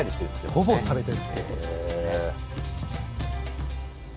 ほぼ食べてるってことですよね。